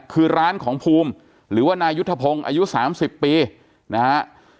คือร้านของภูมิหรือว่านายุทธพงศ์อายุ๓๐ปีนะฮะ